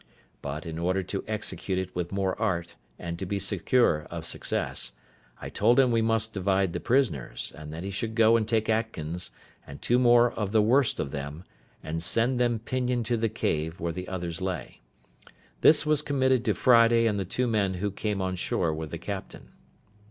But, in order to execute it with more art, and to be secure of success, I told him we must divide the prisoners, and that he should go and take Atkins, and two more of the worst of them, and send them pinioned to the cave where the others lay. This was committed to Friday and the two men who came on shore with the captain.